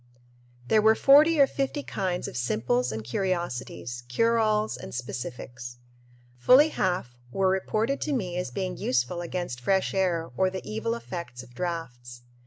There were forty or fifty kinds of simples and curiosities, cure alls, and specifics. Fully half were reported to me as being "useful against fresh air" or the evil effects of drafts.